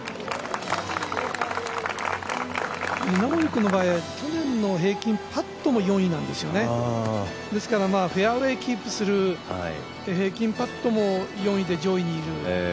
稲森君の場合は去年のパット平均も４位なんですねですから、フェアウエーキープする平均パットも４位で上位にいる。